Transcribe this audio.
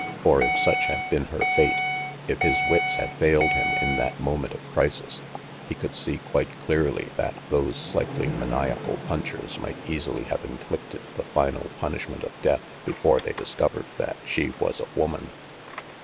For if such had been her fate if his wits had failed him in that moment of crisis he could see quite clearly that those slightly maniacal punchers might easily have inflicted the final punishment of death before they discovered that she was a woman.